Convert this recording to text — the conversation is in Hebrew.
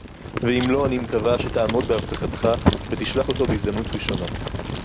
וְאִם לֹא – אֲנִי מְקַוָה שֶתַעֲמוֹד בְּהַבְטָחָתְךָ וְתִשְלַח אוֹתוֹ בְּהִזְדַמְנוּת רִאשוֹנָה.